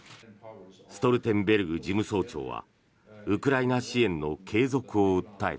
ストルテンベルグ事務総長はウクライナ支援の継続を訴えた。